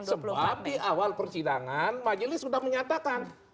sebab di awal persidangan majelis sudah menyatakan